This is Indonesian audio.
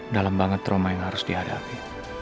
dalam banget trauma yang harus dihadapi